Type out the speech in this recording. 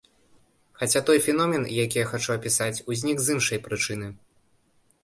Хаця той феномен, які я хачу апісаць, узнік з іншай прычыны.